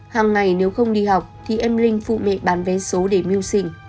hàng ngày nếu không đi học thì em linh phụ mẹ bán vé số để mưu sinh